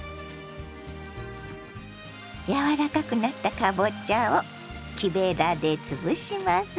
柔らかくなったかぼちゃを木べらで潰します。